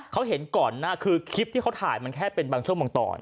เขาเห็นก่อนหน้าคือคลิปที่เขาถ่ายมันแค่เป็นบางช่วงบางตอน